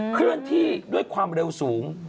เคลื่อนที่ด้วยความเร็วสูง